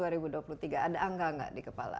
ada angka nggak di kepala